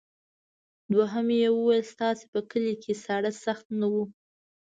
دوهم یې وویل ستاسې په کلي کې ساړه سخت نه وو.